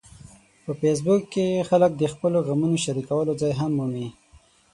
په فېسبوک کې خلک د خپلو غمونو د شریکولو ځای هم مومي